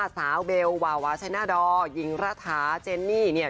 ๕สาวเบลวาวาชัยนาดอหญิงราษาเจนนี่นี่